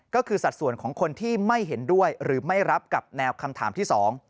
ก็คือสัดส่วนของคนที่ไม่เห็นด้วยหรือไม่รับกับแนวคำถามที่๒